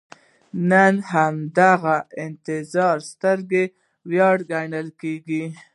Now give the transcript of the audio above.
نن همدغه نظریه ستره ویاړ ګڼل کېږي.